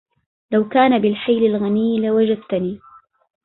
لو كان بالحيل الغني لوجدتني